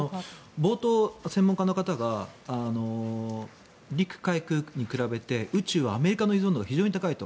冒頭、専門家の方が陸海空に比べて宇宙はアメリカの依存度が非常に高いと。